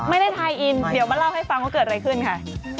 ไม่ได้ทายอินเดี๋ยวมาเล่าให้ฟังว่าเกิดอะไรขึ้นค่ะ